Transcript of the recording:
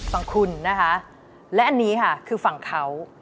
ฝั่งคุณนะคะและอันนี้ค่ะคือฝั่งเขา